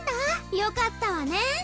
よかったわねん。